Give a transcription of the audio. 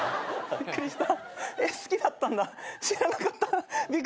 びっくりした！